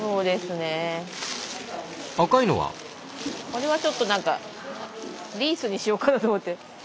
これはちょっと何かリースにしようかなと思って。